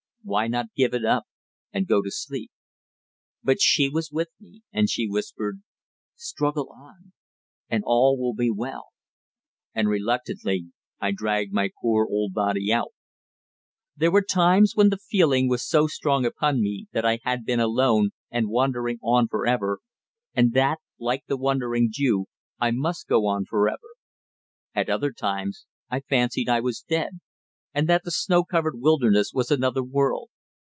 Why not give it up and go to sleep? But she was with me, and she whispered, "Struggle on, and all will be well," and reluctantly I dragged my poor old body out. There were times when the feeling was strong upon me that I had been alone and wandering on forever, and that, like the Wandering Jew, I must go on forever. At other times I fancied I was dead, and that the snow covered wilderness was another world.